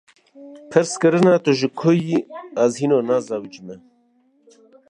Pirs kirine tu ji ku yî, ‘ez hîna nezewujime’